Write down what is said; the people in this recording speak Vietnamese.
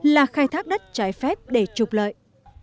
là khai thác đất trái phép để trục lợi